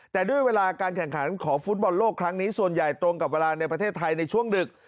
แต่ด้วยเวลาการแข่งขันของฟุตบอลโลกครั้งนี้ส่วนใหญ่ตรงกับเวลาในประเทศไทยในช่วงดึก